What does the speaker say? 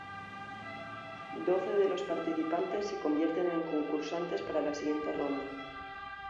Doce de los participantes se convierten en concursantes para la siguiente ronda.